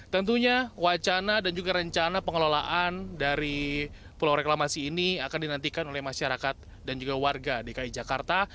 tentunya wacana dan juga rencana pengelolaan dari pulau reklamasi ini akan dinantikan oleh masyarakat dan juga warga dki jakarta